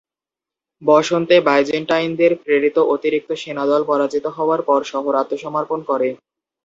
বসন্তে বাইজেন্টাইনদের প্রেরিত অতিরিক্ত সেনাদল পরাজিত হওয়ার পর শহর আত্মসমর্পণ করে।